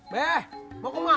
beh mau kemana